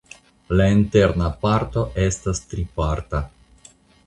La interna parto estas triparta.